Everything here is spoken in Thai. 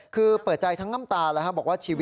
คือเปิดใจทั้งน้ำตานะฮะ